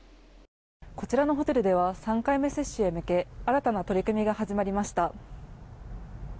こちらのホテルでは３回目接種へ向け新たな取り組みが始まりました。